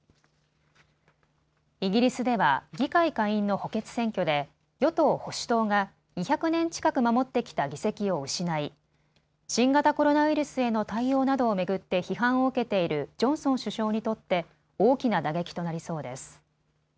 イギリスでは議会下院の補欠選挙で与党保守党が２００年近く守ってきた議席を失い新型コロナウイルスへの対応などを巡って批判を受けているジョンソン首相にとって大きな打撃となりそうです。